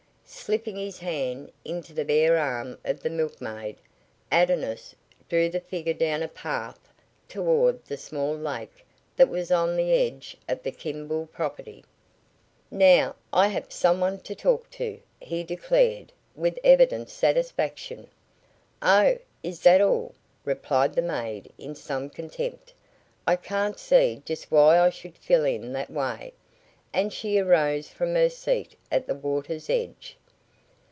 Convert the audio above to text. Slipping his hand into the bare arm of the milkmaid, Adonis drew the figure down a pith toward the small lake that was on one edge of the Kimball property. "Now I have some one to talk to," he declared with evident satisfaction. "Oh, is that all?" replied the maid in some contempt "I can't see just why I should fill in that way," and she arose from her seat at the water's edge.